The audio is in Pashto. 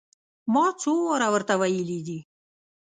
ما څو واره ور ته ويلي دي.